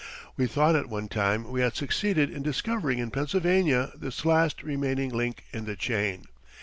We thought at one time we had succeeded in discovering in Pennsylvania this last remaining link in the chain.